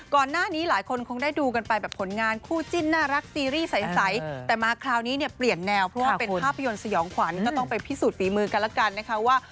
ก่อนหน้านี้หลายคนคงได้ดูกันไปแบบผลงานคู่จิ้นน่ารักซีรีส์ใสแต่มาคราวนี้เนี่ยเปลี่ยนแนวเพราะว่าเป็นภาพยนตร์สยองขวัญก็ต้องไปพิสูจนฝีมือกันแล้วกันนะคะว่า